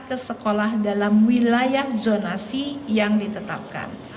ke sekolah dalam wilayah zonasi yang ditetapkan